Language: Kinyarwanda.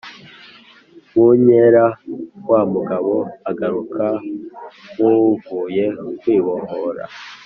munkera wamugabo agaruka nkuwuvuye kwibohora